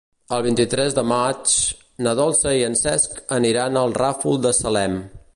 El vint-i-tres de maig na Dolça i en Cesc aniran al Ràfol de Salem.